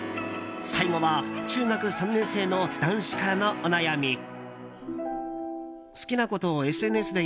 最後は中学３年生の男子からのお悩み。